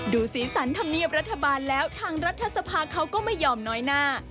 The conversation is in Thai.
สีสันธรรมเนียบรัฐบาลแล้วทางรัฐสภาเขาก็ไม่ยอมน้อยหน้า